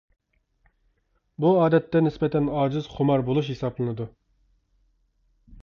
بۇ ئادەتتە نىسبەتەن ئاجىز خۇمار بولۇش ھېسابلىنىدۇ.